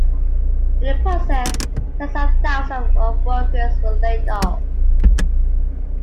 In the process, tens of thousands of workers were laid off.